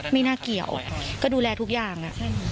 ไม่น่าเกี่ยวก็ดูแลทุกอย่าง